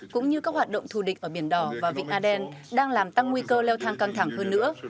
cũng như các hoạt động thù địch ở biển đỏ và vịnh aden đang làm tăng nguy cơ leo thang căng thẳng hơn nữa